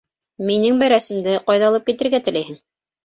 Минең бәрәсемде ҡайҙа алып китергә теләйһең?